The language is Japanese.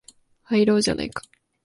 入ろうじゃないか